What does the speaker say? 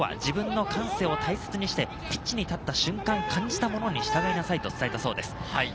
今日は自分の感性を大切にしてピッチに立った瞬間、感じたものに従いなさいと伝えたそうです。